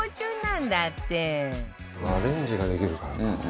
「アレンジができるからね」